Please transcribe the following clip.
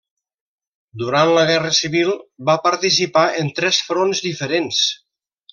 Durant la guerra civil va participar en tres fronts diferents.